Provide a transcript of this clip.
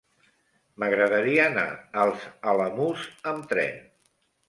M'agradaria anar als Alamús amb tren.